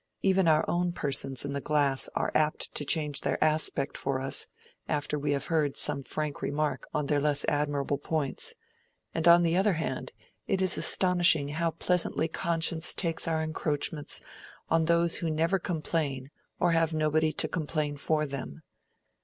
Even our own persons in the glass are apt to change their aspect for us after we have heard some frank remark on their less admirable points; and on the other hand it is astonishing how pleasantly conscience takes our encroachments on those who never complain or have nobody to complain for them.